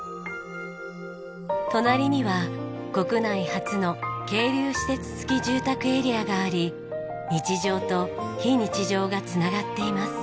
隣には国内初の係留施設付き住宅エリアがあり日常と非日常が繋がっています。